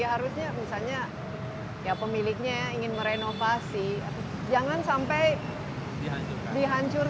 harusnya misalnya pemiliknya ingin merenovasi jangan sampai dihancurkan